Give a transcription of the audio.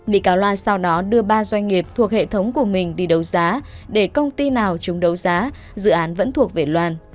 bị cáo loan sau đó đưa ba doanh nghiệp thuộc hệ thống của mình đi đấu giá để công ty nào trúng đấu giá dự án vẫn thuộc về loan